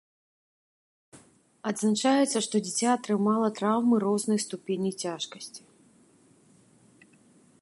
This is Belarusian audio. Адзначаецца, што дзіця атрымала траўмы рознай ступені цяжкасці.